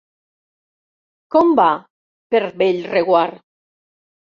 Com va per Bellreguard?